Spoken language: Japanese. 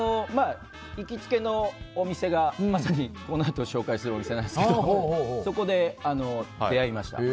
行きつけのお店が、まさにこのあと紹介するお店なんですがそこで出会いました。